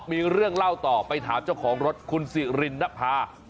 มีเรื่องเล่าต่อไปถามเจ้าของรถคุณสิรินนภา